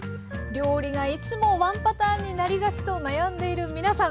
料理がいつもワンパターンになりがちと悩んでいる皆さん！